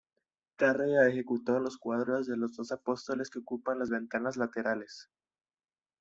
Tárrega ejecutó los cuadros de los doce apóstoles que ocupan las ventanas laterales.